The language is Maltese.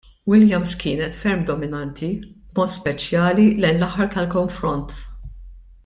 Williams kienet ferm dominanti, b'mod speċjali lejn l-aħħar tal-konfront.